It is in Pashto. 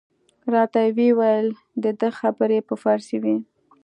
راته ویې ویل د ده خبرې په فارسي وې.